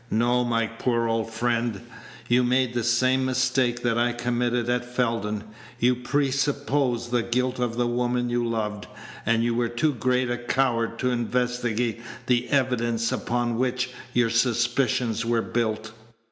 No, my poor old friend, you made the same mistake that I committed at Felden. You presupposed the guilt of the woman you loved, and you were too great a coward to investigate the evidence upon which your suspicions were built.